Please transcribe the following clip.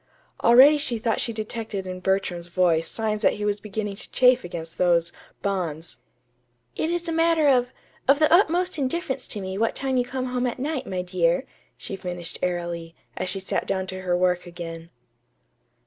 Already she thought she detected in Bertram's voice signs that he was beginning to chafe against those "bonds." "It is a matter of of the utmost indifference to me what time you come home at night, my dear," she finished airily, as she sat down to her work again.